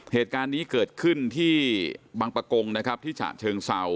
เหตุการณ์นี้เกิดขึ้นที่บางประกงที่สระเชิงเสา